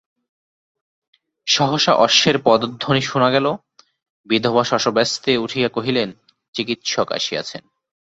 সহসা অশ্বের পদধ্বনি শুনা গেল, বিধবা শশব্যস্তে উঠিয়া কহিলেন চিকিৎসক আসিয়াছেন।